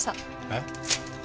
えっ？